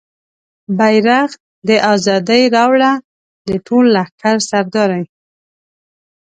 بیرغ د ازادۍ راوړه د ټول لښکر سردارې